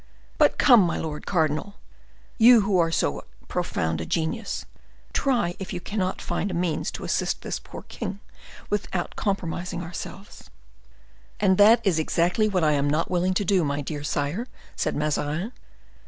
"But come, my lord cardinal, you who are so profound a genius, try if you cannot find a means to assist this poor king, without compromising ourselves." "And that is exactly what I am not willing to do, my dear sire," said Mazarin.